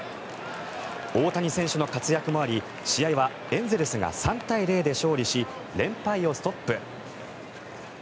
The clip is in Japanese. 大谷選手の活躍もあり、試合はエンゼルスが３対０で勝利し連敗をストップ。